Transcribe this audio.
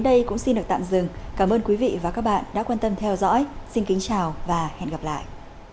hãy đăng ký kênh để ủng hộ kênh của mình nhé